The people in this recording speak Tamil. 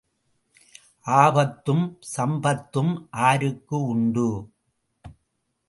ஆபத்தும் சம்பத்தும் ஆருக்கும் உண்டு?